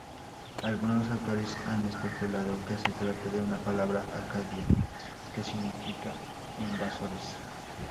Algunos autores han especulado que se trata de una palabra acadia que significa "invasores".